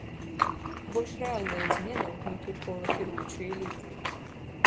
Больш рэальная змена ўнутры кола кіруючай эліты.